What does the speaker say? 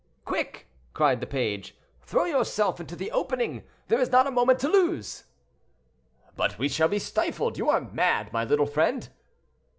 "Quick!" cried the page; "throw yourself into the opening, there is not a moment to lose." "But we shall be stifled; you are mad, my little friend."